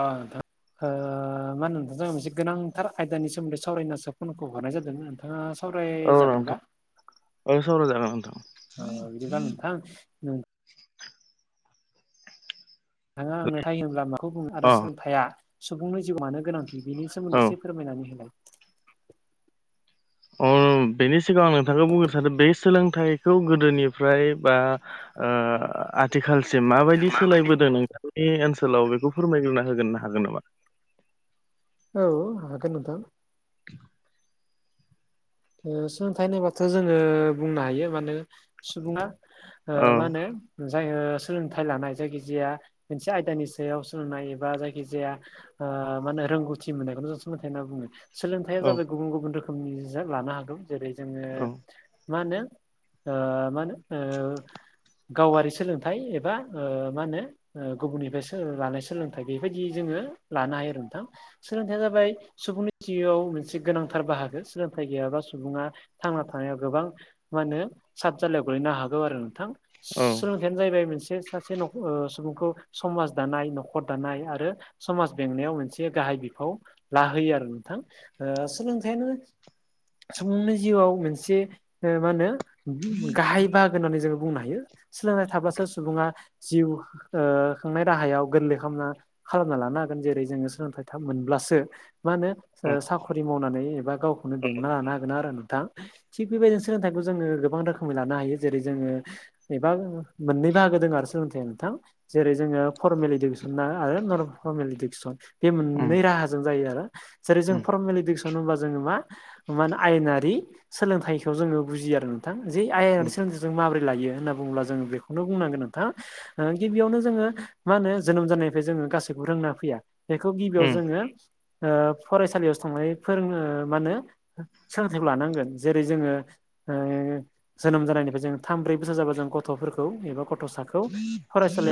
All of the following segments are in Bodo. अ नोंथां। मा होनो जोंहा मोनसे गोनांथार आयदानि सोमोन्दै सावरायना सो फनखौ हरनाय जादों। नोंथाङा सावराय औ नोंथां जागोनबा? औ सावरायजागोन नोंथां। अ बिदिब्ला नोंथां। नाङा आंनो फाइ होन्ला माखौ बुङो आरो अ सोलोंथायाया सुबुंनि जिउ मानो गोनां बिनि औ सोमोन्दैसो फोरमायनानै होनोलाय अ बेनि सिगाङा आं नोंथांखौ बुंनो सानो बे सोलोंथाइखौ गोदोनिफ्राय बा ओ आथिखालसिम माबायदि सोलायबोदों नोंथांनि ओनसोलाव बेखौ फोरमायग्रोना होगोन हागोन नामा? औ हगोन नोंथां। [inaudible] सोलोंथाइ होननायोबाथ' जोङो बुंनो हायो माने सुबुङा मा औ होनो जाय सोलोंथाइ लानाय जायखिजाया मोनसे आयदानि सायाव सोलोंनाय एबा जायखिजाया माने रोंगौथि मोननायखौ जोंसो मथाइ होनना बुङो सोलोंथाइया औ जाबाय गुबुन गुबुन रोखोमनि लानो हागौ। जेरै जोङो औ मा होनो मानो गावारि सोलोंथाइ एबा मा होनो गुबुननिफ्राय लानाय सोलोंथाइ बेबायदि जोङो लानो हायो आरो नोंथां। सोलोंथाइया जाबाय सुबुंनि जिउआव मोनसे गोनांथार बाहागो। सोलोंथाइ गैयाबा सुबुङा थांना थानायाव गोबां मा होनो साबजालायाव गोलैनो हागौ आरो नोंथां औ सोलों खानो जाहैबाय मोनसे सासे सुबुंखौ समाज दानाय न'खर दानाय आरो समाज बेंनायाव मोनसे गाहाय बिफाव लाहोयो आरो नोंथां सोलोंथाइयानो सुबुंनि जिउआव मोनसे मा होनो गाहाय बाहागो होननानै जोङो बुंनो हायो। सोलोंनाय थाब्लासो सुबुङा जिउ खांनाय राहायाव गोरलै खालामना खालामना लानो हागोन जेरै जोङो सोलोंथाइ मोनब्लासो मा होनो साखरि मावनानै एबा गावखौनो बेंना लानो हागोन आरो नोंथां थिग बेबायदिनो सोलोंथाइखौ जोङो गोबां रोखोमै लानो हायो जेरै जोङो एबा‌ मोननै भागो दं आरो सोलोंथाया नोंथां। जेरै जोङो फरमेल इदुकेसन ना आरो नन फरमेल इडुकेसन। बे औ मोननै उम राहाजों जायो आरो जेरै जों फरमेल इडुकेसन होनबा जोङो मा मा होन आयेनारि सोलोंथाइखौ जोङो बुजियो आरो नोंथां जे उम आयेनारि सोलोंथाइ जों माब्रै लायो होनना बुंङोब्ला जों बेखौनो बुंनांगोन नोंथां गिबियावनो जोङो मा होनो जोनोम जानायनिफ्राय जोङो गाैखौबो रोंना फैया बेखौ गिबियाव उम जोङो ओ फरायसालियावसो थांनानै फोरोङो मा होनो सोलोंथाइखौ लानांगोन जेरै जोङो जोनोम जानायनिफ्राय जों थाम ब्रै बोसोर जाबा जों गथ'फोरखौ एबा गथ' सा खौ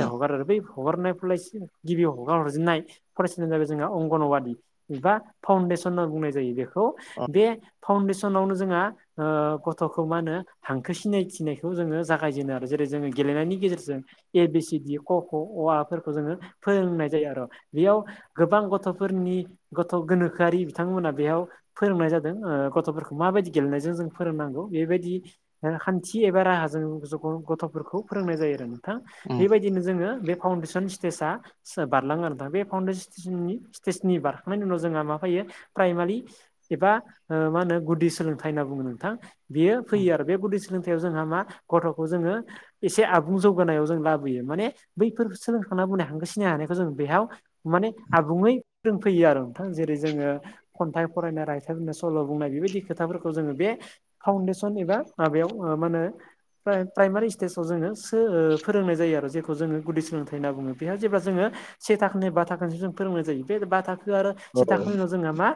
औ हगारो बै हगारनाय फरायस गिबियाव हगार हरजेननाय फरायसालि जाब जोंहा अंगनवादि एबा फाउन्डेसन बुंनाय जायो बेखौ औ बे फाउन्डेसनावनो जोंहा गथ'खौ मा होनो हांखो सिनायथिनायखौ जोङो जागायजेनो आरो जेरै जोङो गेलेनायनि गेजेरजों ए बि सि डि क‌ख' अ आ फोरखौ जोङो फोरोंनाय जायो आरो बेयाव गोबां गथ'फोरनि गथ' गोनोखोआरि बिथांमोना बेयाव फोरोंनाय जादों। गथ'फोरखौ माबायदि गेलेनायजों जों फोरोंनांगौ बेबायदि खान्थि एबा राहाजों गथ'फोरखौ फोरोंनाय जायो आरो नोंथां उम बेबायदिनो जोङो बे फाउन्डेसन स्टेजआ बारलाङो आरो दा बे फाउन्डेसननि स्टेेजनि बारखांनायनि उनाव जोंहा मा फायो प्राइमारि एबा मा होनो गुदि सोलोंथाइ होनना बुङो नोंथां। बियो उम फैयो आरो बे गुदि सोलोंथाइयाव जोंहा मा गथ'खौ जोङो एसे आबुं जौगानायाव जों लाबोयो माने बैफोर सोलोंखांना बुंनाय हांगो सिनाय हानायखौ जों बेयाव माने आबुङै रोंफैयो आरो नोंथां जेरै जोङो खन्थाइ फरायनाय रायथाइ बुंनाय स सल' बुंनाय बेबायदि खोथाफोरखौ जोङो बे फाउडेसन एबा माबायाव मा होनो प्राइमारि स्टेजाव जोङो सो फोरोंनाय जायो आरो जेखौ जोङो गुदि सोलोंथाइ होनना बुङो बेहााय जेब्ला जोङो से थाखाोनि बा थाखोसिम जों फोरोंनाय जायो बे बा थाख रो आरो औ से थाखोनि उनाव जोंहा मा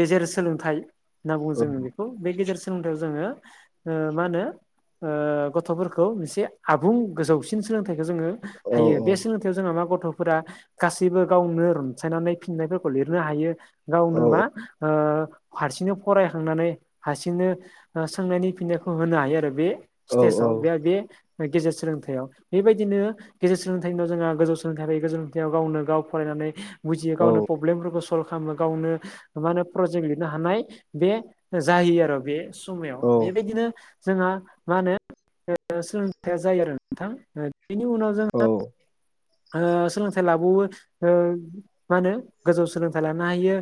गेजेर सोलोंथाइ होनना बुङो जोङो बे खौ बे गेजेर सोलोंथाइयाव जोङो मा होनो गथ'फोरखौ मोनसे आबुं गोजौसिन सोलोंथाइखौ जोङो हायो बे सोलों थाइयाव जोंहा मा गथ'फोरा गासैबो गावनो रनसायनानै फिननायफोरखौ लिरनो हायो। औ गावनो मा ओ हारसिंनो फरायखांनानै हारसिंनो सोंनायनि फिननायखौ होनो हायो आरो बे औ स्टेजाव बे बे गेजेर सोलोंथाइयाव बेबायदिनो गेजेर सोलोंथाइनि उनाव जोंहा गोजौ सोलोंथाइ गोजौ सोलोंथाइयाव गावनो गाव फरायनानै बुजियो औ गावनो प्रब्लेमफोरखौ सल्भ खालामो गावनो मा होनो प्रजेक्ट लि नो हानाय बे जाहै आरो बे समायाव औ बेबायदिनो जोंहा मा होनो सोलोंथाइया जायो आरो नोंथां बेनि उनाव [unintelligible] सोलोंथाइ लाबावो ओ मा होनो गोजौ सोलोंथाइ लानो हायो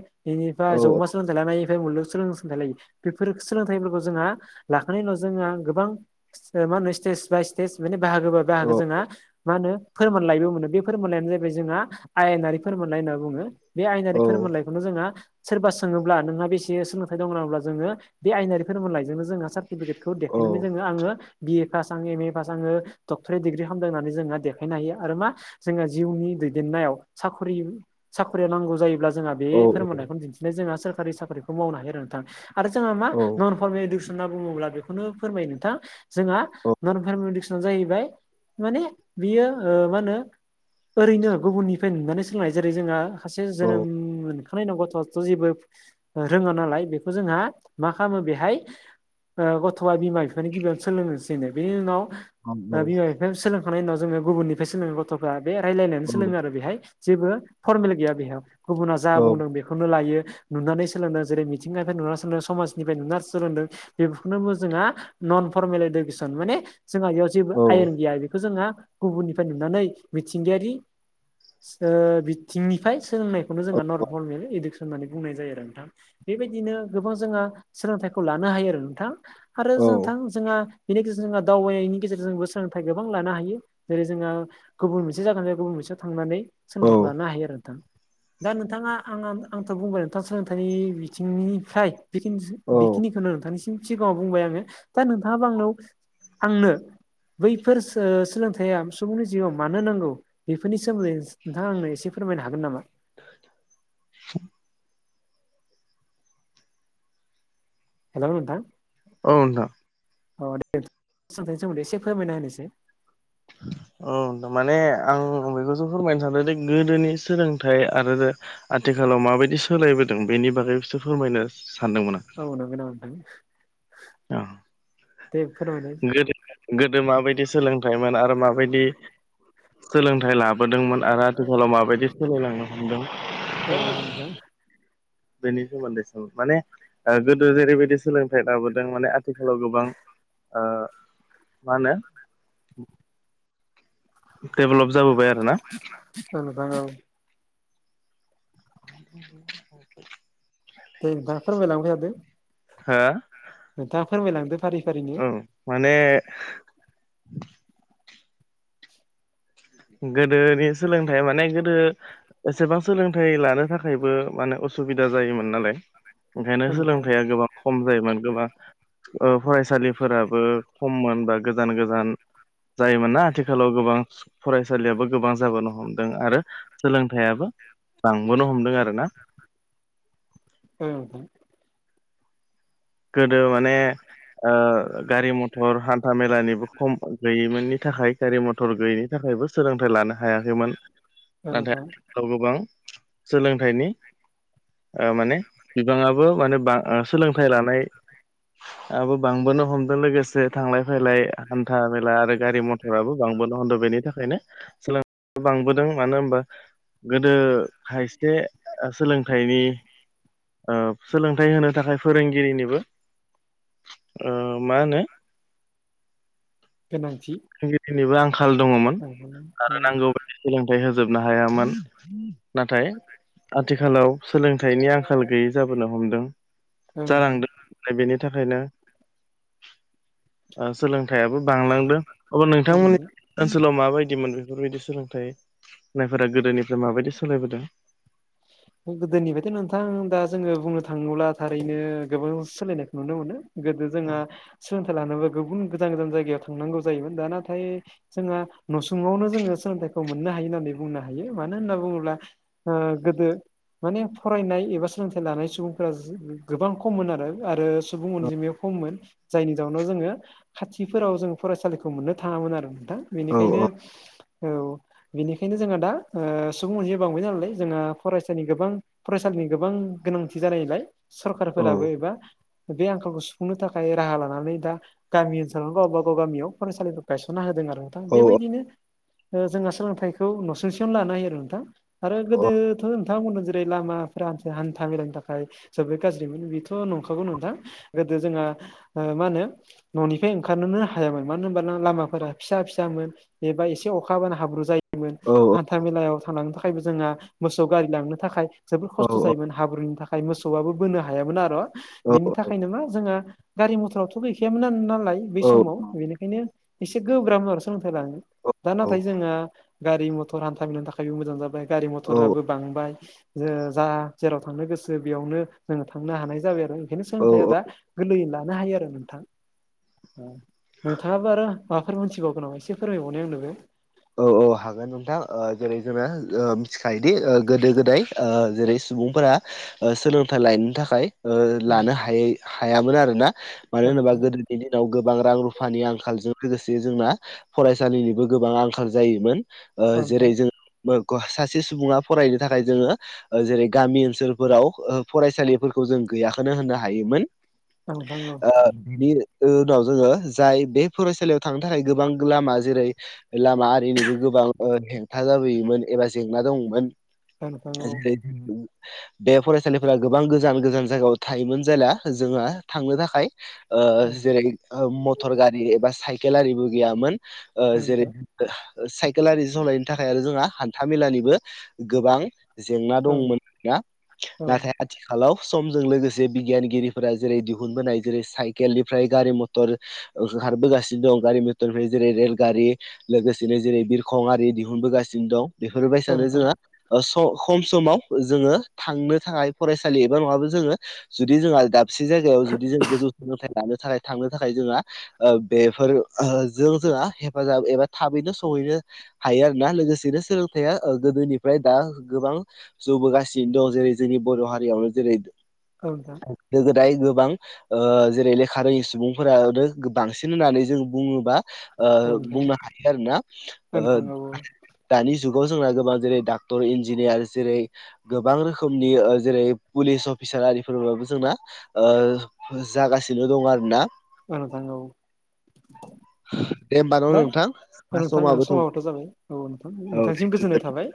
औ बेनिफ्राय जौमा सोलोंथाइ लानायनिफ्राय मुलुग सोलों सोलोंथाइ लायो बेफोर सोलोंथाइफोरखौ जोंहा लाखांनायनि उनाव जोंहा गोबां मा होनो स्टेज बाय स्टेज स्टेज माने बाहागो बा औ बाहागो जोंहा मा होनो फोरमानलाइबो मोनो बे फोरमानलायानो जाहबाय जोंहा आयेनारि फोरमानलाइ होनना बुङो बे आयेनारि फोरमानलाइखौ बेखौनो जोंहा सोरबा सोङोब्ला नोंहा बेसे सोलोंथाइ दं होनब्ला जोङो बे आयेनारि फोरमलाइजोंनो जोङो सार्टिफिकेटखौ देखायनानै जोङो आङो बिए पास आङो एम ए पास आङो डक्ट'रेट डिग्रि खालामदों होननानै जोंङहा देखायनो हायो आरो मा जोङो जिउनि दैदेननायाव साखरि साख्रियाव नांगौ जायोब्ला जोंहा बे औ औ फोरमानलायखौ दिन्थिनाय जोंहा सोरखारि साख्रिखौ मावनो हायो आरो नोंथां। आरो जोंहा मा नन फरमेल इडुकेसन होनना बुङोब्ला बेखौनो फोरमायो नोंथां जोंहा नन फरमेल इडुकेसना जाहैबाय माने बियो ओ मा होनो ओरैनो गुबुननिफ्राय नुनानै सोलोंनाय जेरै जोंहा खासे जोनोम मोनखांनायनि उनाव गथ' स' जेबो ओ रोङा नालाय बेखौ जोंहा मा खालामो बेहाय ओ गथ'आ बिमा बिफानि गिबियावनो सोलोंनोसैनो बेनि उनाव ओ बिमा बिफाया सोलोंखांनायनि उनाव जोङो गुबुननिफ्राय सोलोङो गथ'फ्रा बे रायलायनानै सोलोङो आरो बेहाय। जेबो फरमेला गैया बेहाय गुबुना जा औ बुंदों बेख खौनो लायो नुनानै सोलोंदों जेरै मिथिंगानिफ्राय नुनानै सोलों समाजनिफ्राय नुनानै सोलोंदों। बेफोरखौनो मो जोंहा नन फरमेल इडुकेसन माने जोंहा बेयाव जेबो औ आयेन गैया बेखौ जोंहा गुबुननिफ्राय नुनानै मिथिंगायारि ओ बिथिंनि फ्राय सोलोंनायखौनो औ जोंहा नन फरमेल इडुकेसन होननानै बुंनाय जायो आरो नोंथां बेबायदिनो गोबां जोंहा सोलोंथाइखौ लानो हायो आरो नोंथां। आरो जोंथां जोंहा बेनि गेजे जोंहा दावबायनायनि गेजेरजोंबो सोलोंथाइ गोबां लानो हायो जेरै जोंहा गुबुन मोनसे जागानिफ्राय गुबुन मोनसेयाव थांनानै औ सोलोंथाइखौ लानो नोंथां हायो आरो नोंथां दा नोंथाङा आं आं आंथ' बुंबाय नोंथां सोलोंथाइनि बिथिंनिफ्राय बेखिनि औ बेखिनिखौनो नोंथांनिसिम सिगाङाव बुंबाय आङो दा नोंथाङाबो आंनाव आंनो बैफोर सो-सोलोंथाइया सुबुंनि जिउआव मानो नांगौ बेफोरनि सोमोन्दै नोंथाङा आंनो एसे फोरमायनो हागोन नामा? हेलौ नोंथां। औ नोंथां। अ दे सोलोंथाइनि सोमोन्दै एसे फोरमायना होनायसाय। अ थारमाने आं बेखौसो फोरमायनो सानदों जे गोदोनि सोलोंथाइ आरोरो आथिखालाव माबायदि सोलायबोदों बेनि बागैसो फोरमायनो सानदोंमोन आं। औ नंगौ नामा नोंथां? आं दे फोरमायलाय। गोदो गोदो माबायदि सोलोंथाइमोन आरो माबायदि खोलोंथाइ लाबोदोंमोन आरो आथिखालाव माबायदि सोलायलांनो हमदों। औ नोंथां। बेनि सोमोन्दैसो माने ओ गोदो जेरैबायदि सोलोंथाइ लाबोदों माने आथ थिखालाव गोबां ओ मा होनो डेभेलप जाबोबाय आरो ना। औ नोंथां औ। [inaudible] दे नोंथां फोरमायलांबाय थादों। हो? नोंथाङा फोरमायलांदो। फारि फारिनो ओं माने गोदोनि सोलोंथाइया माने गोदो एसेबां सोलोंथाइ लानो थाखायबो माने असुबिदा जायोमोन नालाय ओंखायनो औ नोंथां सोलोंथाइआ गोबां खम जायोमोन गोबां ओ फरायसालिफोराबो खममोन बा गोजान गोजान जायोमोन ना आथिखालाव गोबां फरायसालियाबो गोबां जाबोनो हमदों आरो सोलोंथाइयाबो बांबोनो हमदों आरोना। [unintelligible] गोदो माने ओ गारि मथ थर हान्था मेलानिबो खम गैयैमोननि थाखाय गारि मथर गैयिनि थाखायबो सोलोंथाइ लानो हायाखैमोन। औ नाथाय नोंथां आथिखालाव गोबां सोलोंथाइनि माने बिबाङाबो माने सोलोंथाइ लानानै बांबोनो हमदों लोगोसे थांलाय फैलाय हान्था आरो गारि मथराबो बांबोन हदों बेनि थाखायनो सोलों बांबोदों मानो होनबा गोदो खायसे सोलोंथाइनि सोलोंथाइ होनो थाखाय फोरोंगिरिनिबो ओ मा होनो गोनांथि दिनैबो आंखाल दङमोन औ आरो नोंथां नांगौ बायदि सोलोंथाइ होजोबनो हायामोन नाथाय आथिखालाव सोलोंथाइनि आंखाल आंखाल गैयि जाबोनो हमदों औ जालांदों बेनि थाखायनो ओ सोलोंथाइयाबो बांलांदों अब्ला नोंथांमोननि नोंथां ओनसोलाव माबायदिमोन बेफोरबायदि सोलोंथाइ होननायफोरा गोदोनिफ्राय माबायदि सोलायबोदों? गोदोनिफ्रायथ' नोंथां दा जोंङो बुंनो थांङोब्ला थारैनो गोबां सोलायनायखौ नुनो मोनो। गोदो औ जोंहा सोलोंथाइ लानोबो गुबुन गोजान गोजान जायगायाव थांनांगौ जायोमोन दा नाथाय जोंहा नसुंवानो जोंङो सोलोंथाइखौ मोननो हायो होननानै बुंनो हायो मानो होनना बुंङोब्ला ओ गोदो माने फरायनाय एबा सोलोंथाइ लानाय सुबुंफोरा जो गोबां खममोन आरो आरो सुबुं अनजिमाया खममोन जायनि जाउनाव जोंङो खाथिफोराव जों फरायसालिखौ मोननो थांङामोन आरो नोंथां बेनिखायनो औ बेनिखायनो जोंयो दा सुबुं अनजिमाया बांबाय नालाय जोंहा फरायसा नि गोबां फरायसालिनि गोबां गोनांथि जानायलाय सरखारारफोराबो एबा बे आंखालखौ सुफुंनो थाखाय राहा लानानै दा गामि ओनसोलाव गावब गाव गामियाव फरायसालिफोर गायसनना होदों आरो नोंथा औ बेबायदिनो जोंहा सोलोंथाइखौ नसुंसेयावनो लानो हायो आरो नोंथां आरो गोदोथ' नोंथांमोन जेरै लामाफोरा हान हान्था मेलानि थाखाय जोबबोद गाज्रिमोन बेथ' नंखागौ नोंथां। गोदो जोंहा ओ मा होनो न'निफ्राय ओंखारनोनो हायामोन मानो होनबाना लामाफोरा फिसा फिसामोन एबा एसे अखा हाबानो हाब्रु जायो। औ हान्था मेलायाव थांलांनो थाखायबो जोंहा मोसौ गारि लांनो थाखाय जोबोद औ खस्थ' जायोमोन। हाब्रुनि थाखाय मोसौआबो बोनो हायामोन आर' औ बेनि थाखायनो मा जोंहा गारि मथरावथ' गैखायामोन नो नालाय बै समाव बेनिखायनो एसे गोब्राब मोन सोलोंथाइ लानो दा नाथाय जोंहा गारि मथर हान्था मेलानि थाखायबो मोजां जाबाय गारि औ मथराबो बांबाय ज जा जेराव थांनो गोसो बेयावनो जोंङो थांनो हानाय जाबाय आरो ओंखायनो औ सोलोंथाइया दा गोरलैयै लानो हायो आरो नोंथां। नोंथाङाबो आरो माबाफोर मोनथिबावगौ नामा एसे फोरमायबावनाय आंनोबो अ हागोन नोंथां ओ जेरै जोंङो ओ मिथिखायोदि ओ गोदो गोदाय ओ जेरै सुबुंफोरा ओ सोलोंथाइ लायनो थाखाय ओ औ लानो हायै हायामोन आरोना मानो औ होनोबा गोदो बेनि उनाव गोबां रां रुफानि आंखालजों लोगोसे जोंना फरायसालिनिबो गोबां आंखाल जायो। बाय ओ जेरै नोंथां जों [unintelligible] सासे सुबुंङा फरायनो थाखाय जोंङो जेरै गामि ओनसोलफोराव ओ फरायसालिफोरखौ जों गैयाखौनो होननो हायोमोन। औ नोंथां औ ओ बिनि उनाव जोंङो जाय बे फरायसालियाव थांनो थाखाय गोबां लामा जेरै लामा आरिनिबो गोबां ओ हेंथा जाबोयोमोन एबा जेंना दंमोन औ नोंथां औ जेरै बे फरायसालिफोरा गोबां गोजान गोजान जायगायाव थायोमोन जेला जोंहा थांनो थाखाय ओ औ जेरै मटर गारि एबा साइकेल आरिबो गैयामोन ओ औ जेरै नोंथां साइकेल आरि सलायनो थाखाय आरो जोंहा हान्था मेलानिबो गोबां जेंना औ दंमोन दा नाथाय आ आथिखालाव समजों लोगोसे बिगियानगिरिफोरा जेरै दिहुनबोनाय जेरै साइकेलनिफ्राय गारि मथर ओंखारबोगासिनो दं गारि मथरनि जेरै रेलगारि लोगोसे दिनो जेरै बिरखं आरि दिहुनबोगासिनो दं औ बेफोरबायसानो नोंथां जोंहा ओ स खम समाव जोंङो थांनो थाखाय फरायसालि एबा नंङाबा जोंङो जुदि जोंहा दाबसे जायगायाव जुदि जों गोजौ सोलोंथाइ लानो थाखाय थांनो थाखाय जोंहा ओ बेफोर जों जोंहा हेफाजाब एबा थाबैनो सहैनो हायो आरोना लोगोसेनो सोलोंथाया गोदोनिफ्राय दा गोबां जौबोगासिनो दं जेरै जोंनि बर' हारियावनो जेरै औ दा गोदो गोदाय गोबां ओ जेरै लेखा रोंङि सुबुंफोरानो बांसिन होननानै जों बुंङोबा ओ औ नोंथां औ बुंनो हायो आरोना ओ नोंथां औ दानि जुगाव जोंना गोबां जेरै डाक्टर इन्जिनियार जेरै गोबां रोखोमनि जेरै पुलिस अफिसार आरिफोराबो जोंना ओ जागासिनो दं आरोना औ नोंथां औ दे होमबा न' दा नोंथां औ जोंना नोंथां ओ समाबो थौ समायथ' जाबाय औ नोंथां औ नोंथांसिम दे गोजोननाय थाबाय